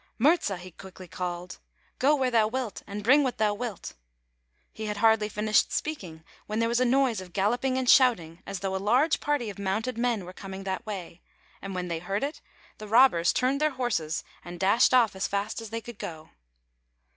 " Murza,'' he quickly called, " go where thou wilt, and bring what thou wilt." He had hardly finished speaking when there was a noise of galloping and shouting, as though a large party of mounted men were coming that way. And when they heard it, the rob bers turned their horses and dashed off as fast as they could go.